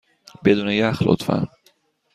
بدون یخ، لطفا.